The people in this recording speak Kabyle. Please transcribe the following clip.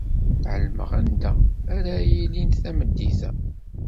Ɛelmeɣ anda ara ilint tameddit-a.